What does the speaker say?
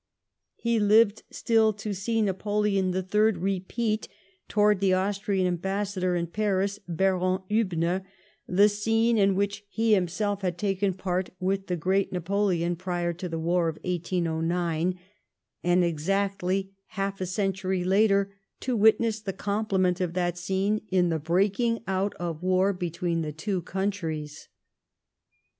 He lived still to see Napoleon III. repeat, towards the Austrian ambassador in Paris, Baron Iliibner, the scene in which he himself had taken part witli the great Napoleon prior to the war of 1809 ; and, exactly half a century later, to witness the complement of that scene in the breaking out of war between the two countries.